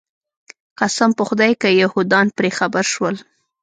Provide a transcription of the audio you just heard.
قسم په خدای که یهودان پرې خبر شول.